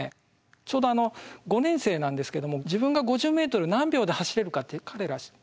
ちょうど５年生なんですけども自分が５０ｍ何秒で走れるかって彼ら彼女ら知ってるんですね。